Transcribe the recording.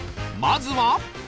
まずは